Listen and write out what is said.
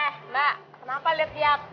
eh mbak kenapa lihat lihat